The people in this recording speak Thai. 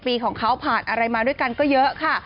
ปีของเขาผ่านอะไรมาด้วยกันก็เยอะค่ะ